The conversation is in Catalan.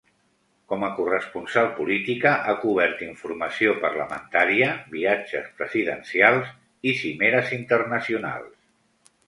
Com a corresponsal política ha cobert informació parlamentària, viatges presidencials i cimeres internacionals.